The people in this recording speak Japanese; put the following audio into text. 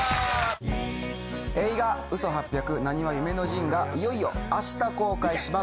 映画『嘘八百なにわ夢の陣』がいよいよ明日公開します。